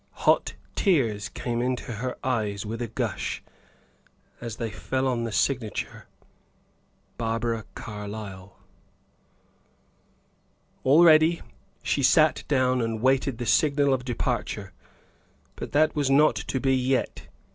Hot tears came into her eyes, with a gush, as they fell on the signature, "Barbara Carlyle." All ready, she sat down and waited the signal of departure; but that was not to be yet.